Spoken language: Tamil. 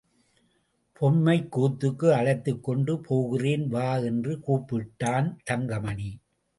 பொம்மைக்கூத்துக்கு அழைத்துக்கொண்டு போகிறேன், வா என்று கூப்பிட்டான் தங்கமணி.